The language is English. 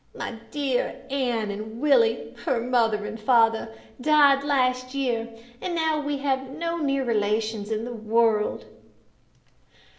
My dear Ann and Willie, her mother and father, died last year, and now we have no near relations in the world."